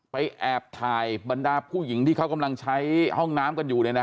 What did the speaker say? แอบถ่ายบรรดาผู้หญิงที่เขากำลังใช้ห้องน้ำกันอยู่